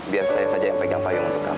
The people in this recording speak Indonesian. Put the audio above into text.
biar saya saja yang pegang payung untuk kamu